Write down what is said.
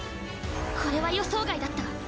これは予想外だった。